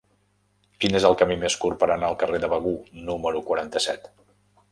Quin és el camí més curt per anar al carrer de Begur número quaranta-set?